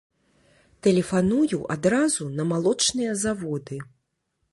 Тэлефаную адразу на малочныя заводы.